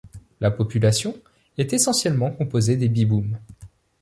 La population est essentiellement composée des Biboum.